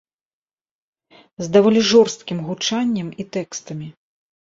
З даволі жорсткім гучаннем і тэкстамі.